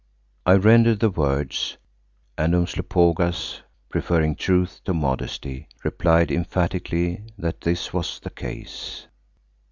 I rendered the words, and Umslopogaas, preferring truth to modesty, replied emphatically that this was the case.